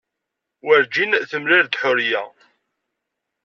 Werjin temlal-d Ḥuriya.